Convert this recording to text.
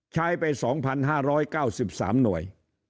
ใช้ไป๒๕๙๓หน่วย